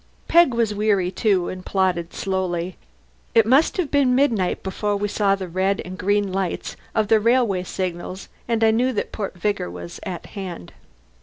Peg was weary, too, and plodded slowly. It must have been midnight before we saw the red and green lights of the railway signals and I knew that Port Vigor was at hand.